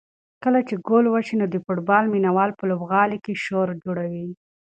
کله چې ګول وشي نو د فوټبال مینه وال په لوبغالي کې شور جوړوي.